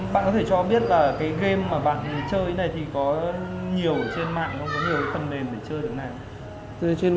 bạn có thể cho biết là cái game mà bạn chơi cái này thì có nhiều trên mạng không